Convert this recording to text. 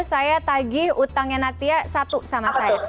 saya tagih utangnya natia satu sama saya